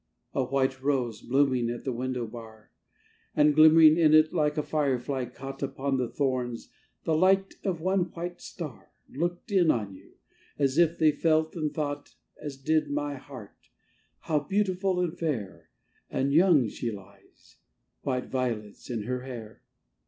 A white rose, blooming at the window bar, And, glimmering in it, like a firefly caught Upon the thorns, the light of one white star, Looked in on you, as if they felt and thought, As did my heart, "How beautiful and fair And young she lies, white violets in her hair!"